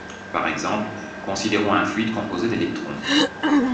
Par exemple, considérons un fluide composé d'électrons.